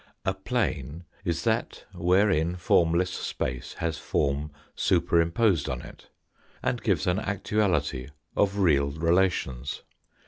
A plane is that wherein formless space has form superimposed on it, and gives an actuality of real relations.